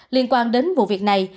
liên quan đến vụ việc này